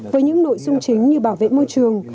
với những nội dung chính như bảo vệ môi trường